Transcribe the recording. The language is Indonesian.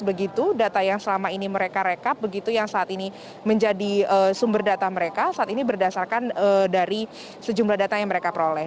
begitu data yang selama ini mereka rekap begitu yang saat ini menjadi sumber data mereka saat ini berdasarkan dari sejumlah data yang mereka peroleh